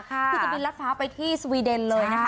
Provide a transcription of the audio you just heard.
คือจะบินรัดฟ้าไปที่สวีเดนเลยนะคะ